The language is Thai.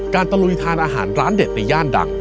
ตะลุยทานอาหารร้านเด็ดในย่านดัง